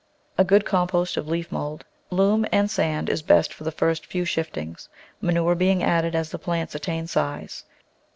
A good compost of leaf mould, loam, and sand is best for the first few s hi f tings, manure being added as the plants attain size.